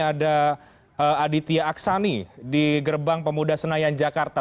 ada aditya aksani di gerbang pemuda senayan jakarta